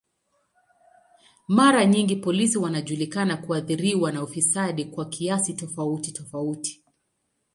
Mara nyingi polisi wanajulikana kuathiriwa na ufisadi kwa kiasi tofauti tofauti.